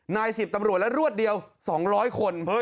นาย๑๐ตำรวจและรวดเดียว๒๐๐คน